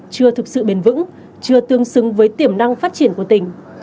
chưa thực sự bền vững chưa tương xứng với tiềm năng phát triển của tỉnh